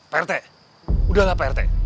prt udahlah prt